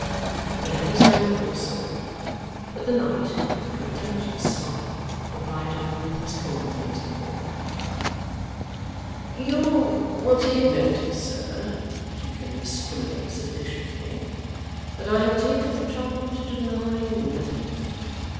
He had his hand upon his sword; but the knight, with a contemptuous smile, replied to him as coldly as before. 'You will take notice, sir if you can discriminate sufficiently that I have taken the trouble to deny nothing.